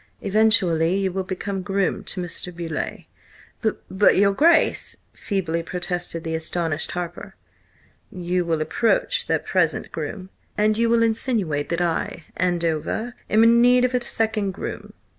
Eventually you will become groom to Mr. Beauleigh." "B but, your Grace!" feebly protested the astonished Harper. "You will approach their present groom, and you will insinuate that I, Andover, am in need of a second groom.